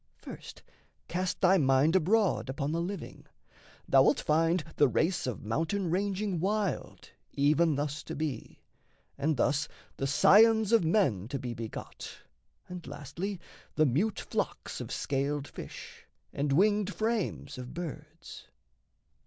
First, cast thy mind abroad upon the living: Thou'lt find the race of mountain ranging wild Even thus to be, and thus the scions of men To be begot, and lastly the mute flocks Of scaled fish, and winged frames of birds.